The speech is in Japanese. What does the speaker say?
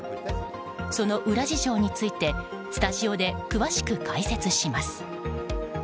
その裏事情についてスタジオで詳しく解説します。